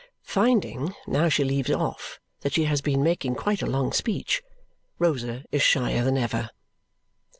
Finding, now she leaves off, that she has been making quite a long speech, Rosa is shyer than ever.